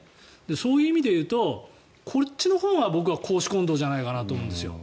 そういう意味で言うとこっちのほうが僕は公私混同じゃないかと思うんです。